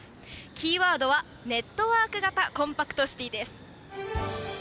キーワードは、ネットワーク型コンパクトシティです。